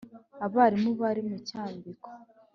abaramura bari mu cyambiko.